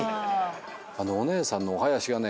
お姉さんのおはやしがね